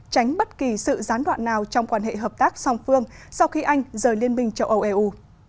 tránh bất kỳ sự gián đoạn nào trong quan hệ hợp tác song phương sau khi anh rời liên minh châu âu eu